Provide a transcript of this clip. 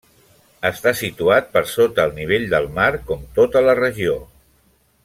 Està situat per sota el nivell del mar com tota la regió.